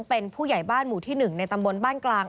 เป็นผู้ใหญ่บ้านหมู่ที่๑ในตำบลบ้านกลาง